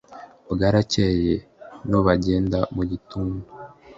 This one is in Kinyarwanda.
Bwarakeye nu bagenda Gitundu